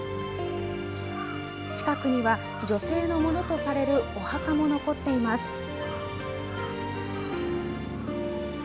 近くには女性のものとされるお墓も残っています。